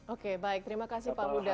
oke baik terima kasih pak buda